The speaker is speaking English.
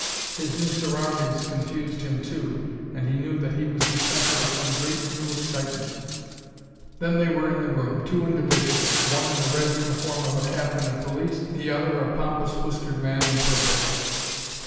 His new surroundings confused him, too, and he knew that he was the center of some great new excitement. Then they were in the room; two individuals, one in the red uniform of a captain of police, the other a pompous, whiskered man in purple.